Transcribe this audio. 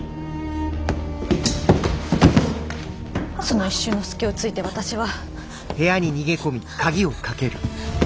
その一瞬の隙をついて私は。